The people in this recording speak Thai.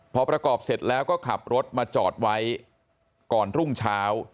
พอประกอบเสร็จแล้วก็ขับรถมาจอดไว้ก่อนรุ่งเช้า